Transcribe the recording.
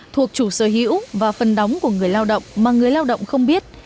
thuộc chủ sở hữu và phần đóng của người lao động mà người lao động không biết